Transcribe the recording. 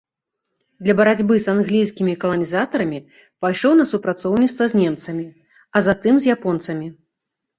Для барацьбы з англійскімі каланізатарамі пайшоў на супрацоўніцтва з немцамі, а затым з японцамі.